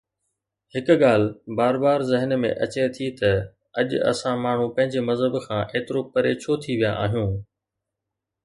هڪ ڳالهه بار بار ذهن ۾ اچي ٿي ته اڄ اسان ماڻهو پنهنجي مذهب کان ايترو پري ڇو ٿي ويا آهيون؟